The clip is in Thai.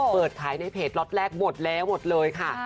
เปิดขายในเพจล็อตแรกหมดแล้วหมดเลยค่ะ